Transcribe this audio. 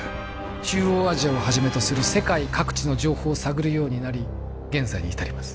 中央アジアをはじめとする世界各地の情報を探るようになり現在に至ります